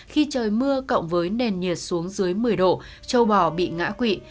khi trời mưa cộng với nền nhiệt xuống dưới một mươi độ châu bò bị ngã quỵ